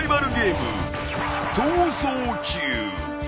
［逃走中］